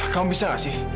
kamu bisa gak sih